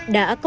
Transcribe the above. đã có một thời